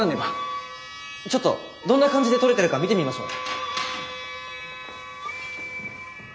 ちょっとどんな感じで撮れてるか見てみましょう。